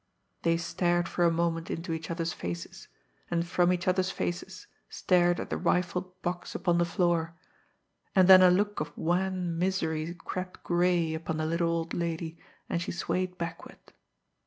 They stared for a moment into each other's faces, and from each other's faces stared at the rifled box upon the floor and then a look of wan misery crept gray upon the little old lady, and she swayed backward.